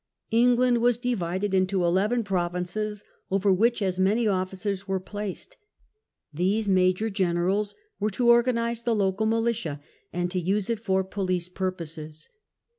England was divided into eleven provinces, over which as many officers were placed. These "Major generals" were to organize the local militia, and to use it for police pur poses.